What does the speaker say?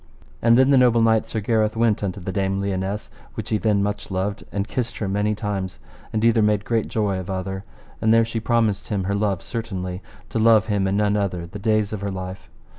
And then the noble knight Sir Gareth went unto the Dame Lionesse, which he then much loved, and kissed her many times, and either made great joy of other. And there she promised him her love certainly, to love him and none other the days of her life.